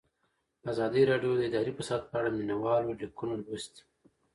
ازادي راډیو د اداري فساد په اړه د مینه والو لیکونه لوستي.